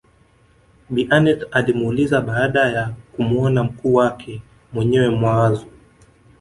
Bi Aneth alimuuliza baada ya kumuona mkuu wake mwenye mawazo